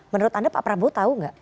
menurut anda pak prabowo tahu nggak